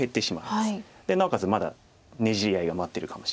まだねじり合いが待ってるかもしれないと。